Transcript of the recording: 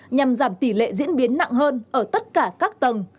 nhằm giảm tỷ lệ diễn biến nặng hơn ở tất cả các tầng